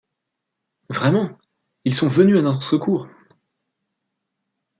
Vraiment! ils sont venus à notre secours !